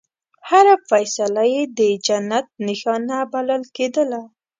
هره فیصله یې د جنت نښانه بلل کېدله.